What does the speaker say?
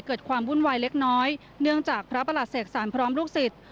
เกิดความวุ่นวายเล็กน้อยเนื่องจากพระประหลัดเสกสรรพร้อมลูกศิษย์